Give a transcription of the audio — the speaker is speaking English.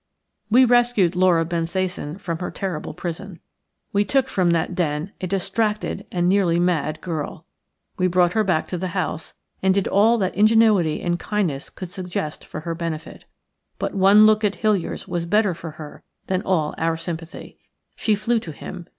We rescued Laura Bensasan from her terrible prison. We took from that den a distracted and nearly mad girl. We brought her back to the house, and did all that ingenuity and kindness could suggest for her benefit. But one look at Hiliers was better for her than all our sympathy. She flew to him.